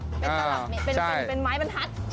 เป็นตลับเม็ดเป็นไม้บรรทัด